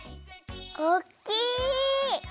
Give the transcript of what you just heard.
おっきい！